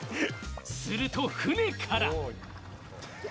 すると船から。